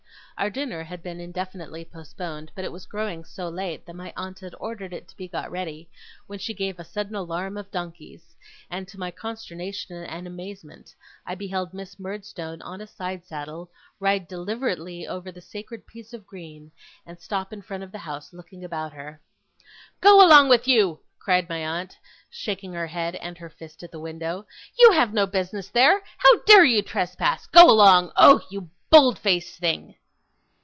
Our dinner had been indefinitely postponed; but it was growing so late, that my aunt had ordered it to be got ready, when she gave a sudden alarm of donkeys, and to my consternation and amazement, I beheld Miss Murdstone, on a side saddle, ride deliberately over the sacred piece of green, and stop in front of the house, looking about her. 'Go along with you!' cried my aunt, shaking her head and her fist at the window. 'You have no business there. How dare you trespass? Go along! Oh! you bold faced thing!